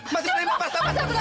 masih berani membasah basah ke saya